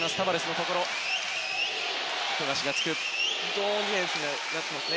ゾーンディフェンスになっていますね。